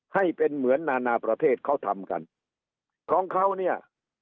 ให้เป็นเหมือนนานาประเทศเขาทำกันของเขาเนี่ย